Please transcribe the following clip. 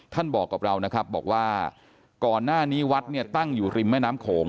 บอกกับเรานะครับบอกว่าก่อนหน้านี้วัดเนี่ยตั้งอยู่ริมแม่น้ำโขง